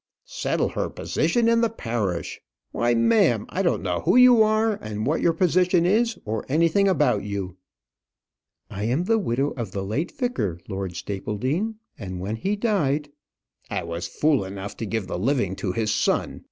"Settle her position in the parish! Why, ma'am, I don't know who you are, and what your position is, or anything about you." "I am the widow of the late vicar, Lord Stapledean; and when he died " "I was fool enough to give the living to his son.